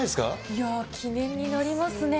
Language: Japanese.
いや、記念になりますね。